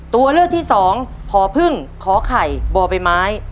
ตัวเลือกที่สองผอพึ่งขอไข่บ่อใบไม้